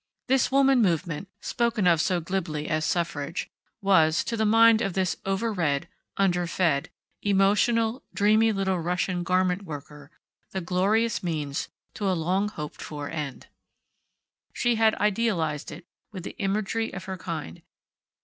This woman movement, spoken of so glibly as Suffrage, was, to the mind of this over read, under fed, emotional, dreamy little Russian garment worker the glorious means to a long hoped for end. She had idealized it, with the imagery of her kind.